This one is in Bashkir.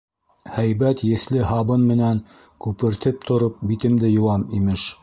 Һәйбәт еҫле һабын менән күпертеп тороп битемде йыуам, имеш.